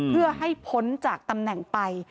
เพื่อให้พ้นจากตำแหน่งไป